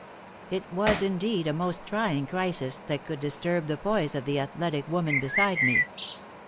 It was indeed a most trying crisis that could disturb the poise of the athletic woman beside me.